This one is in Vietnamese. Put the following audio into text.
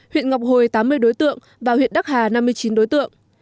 huyện ngọc hồi tám mươi đối tượng và huyện đắc hà năm mươi chín đối tượng